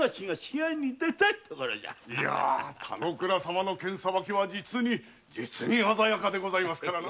田之倉様の剣さばきは実にあざやかでございますからな。